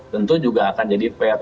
tentu juga akan jadi fair